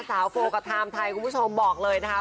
สาวโฟกับทามไทยคุณผู้ชมบอกเลยนะฮะ